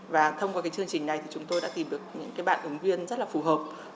và thông qua cái chương trình này thì chúng tôi đã tìm được những cái bạn ứng viên rất là phù hợp